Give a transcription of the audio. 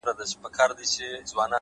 د تجربې درس اوږد اغېز لري